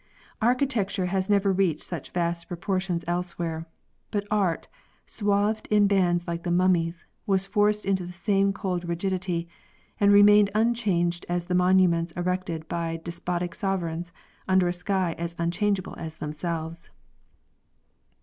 Architecture has never reached such vast proportions else where, but art, swathed in bands like the mummies, was forced into the same cold rigidity and remained unchanged as the monuments erected by despotic sovereigns under a sky as un changeable as themselves.